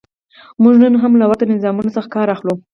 موږ نن هم له ورته نظامونو څخه کار اخلو.